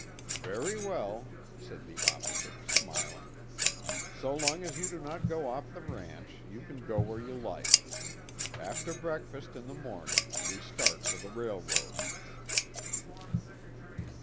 "Very well," said the officer, smiling. "So long as you do not go off the ranch, you can go where you like. After breakfast in the morning we start for the railroad."